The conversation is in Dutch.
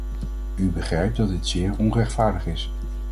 U begrijpt dat dit zeer onrechtvaardig is.